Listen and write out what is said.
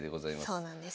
そうなんです。